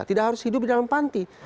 tidak harus hidup di dalam panti